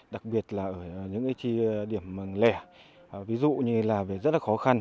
đặc biệt là ở những chi điểm lẻ ví dụ như là rất là khó khăn